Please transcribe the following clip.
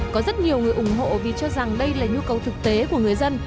có rất nhiều người ủng hộ vì cho rằng đây là nhu cầu thực tế của người dân